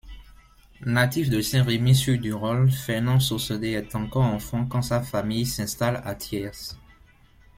Natif de Saint-Rémy-sur-Durolle, Fernand Sauzedde est encore enfant quand sa famille s'installe à Thiers.